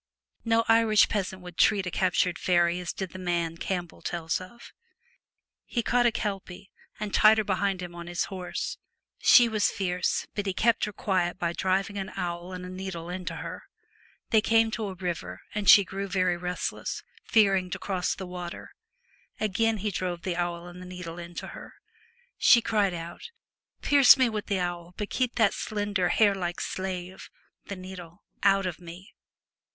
No Irish peasant would treat a captured faery as did the man Campbell tells of. He caught a kelpie, and tied her behind him on his 176 horse. She was fierce, but he kept her A Remon ,...., .1 . strance with quiet by driving an awl and a needle into Scotsmen. her. They came to a river, and she grew very restless, fearing to cross the water. Again he drove the awl and needle into her. She cried out, ' Pierce me with the awl, but keep that slender, hair like slave (the needle) out of me.'